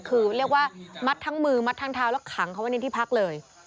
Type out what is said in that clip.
คือเรียกว่ามัดทั้งมือมัดทั้งเท้าแล้วขังเขาไว้ในที่พักเลย